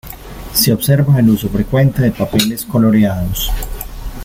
Se observa el uso frecuente de papeles coloreados.